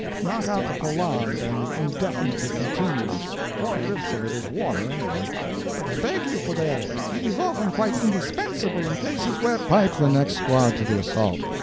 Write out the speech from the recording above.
Knock out the Prolonged and Indefinitely Continuous; four fifths of it is water, anyway." "But I beg you, podere! It is often quite indispensable in cases where " "Pipe the next squad to the assault!"